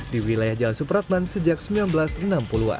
di wilayah jalan supratman sejak seribu sembilan ratus enam puluh an